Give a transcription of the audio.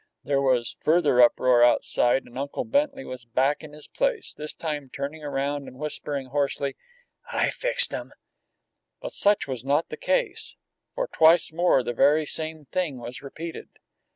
There was further uproar outside, and Uncle Bentley was back in his place, this time turning around and whispering hoarsely, "I fixed 'em!" But such was not the case, for twice more the very same thing was repeated.